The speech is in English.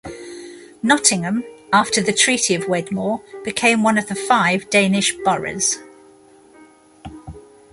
Nottingham, after the treaty of Wedmore, became one of the five Danish boroughs.